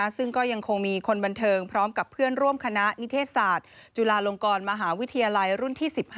ซึ่งก็ยังคงมีคนบันเทิงพร้อมกับเพื่อนร่วมคณะนิเทศศาสตร์จุฬาลงกรมหาวิทยาลัยรุ่นที่๑๕